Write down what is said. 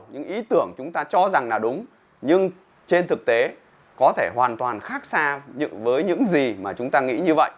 những ý tưởng chúng ta cho rằng là đúng nhưng trên thực tế có thể hoàn toàn khác xa với những gì mà chúng ta nghĩ như vậy